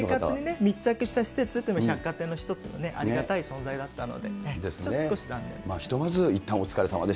密着した施設っていうのが百貨店の一つのありがたい存在だったので、残念です。